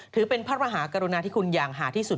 ถือเป็นพระมหากรุณาที่คุณอย่างหาที่สุด